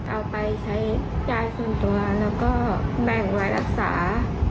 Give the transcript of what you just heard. เอาไปใช้จ่ายส่วนตัวแล้วก็แบ่งไว้รักษา